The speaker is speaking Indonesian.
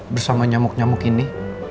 bersama nyamuk nyamuk ini